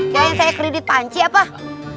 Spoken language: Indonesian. jangan saya kredit panci ya pak